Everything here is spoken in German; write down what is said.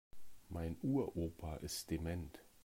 Mein Uropa ist dement.